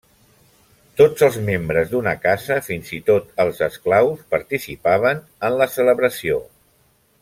Tots els membres d'una casa, fins i tot els esclaus, participaven en la celebració.